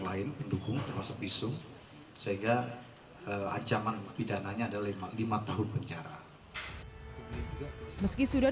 lain pendukung termasuk visum sehingga ancaman pidananya adalah lima tahun penjara meski sudah